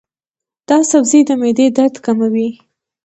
دا سبزی د معدې درد کموي.